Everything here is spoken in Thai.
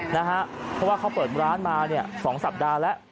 เพราะว่าเขาเปิดร้านมา๒สัปดาห์แล้ว